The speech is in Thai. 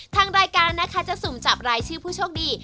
ทางรายการนะคะจะสุ่มจับรายชื่อผู้โชคดี